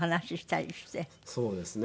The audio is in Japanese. そうですね。